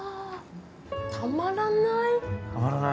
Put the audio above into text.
たまらない。